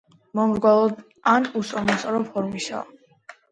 მომრგვალო ან უსწორმასწორო ფორმისაა.